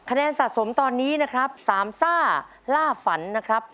แนนสะสมตอนนี้นะครับสามซ่าล่าฝันนะครับ